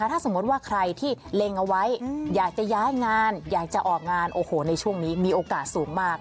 ถ้าสมมติว่าใครที่เล็งเอาไว้อยากจะย้ายงานอยากจะออกงานโอ้โหในช่วงนี้มีโอกาสสูงมาก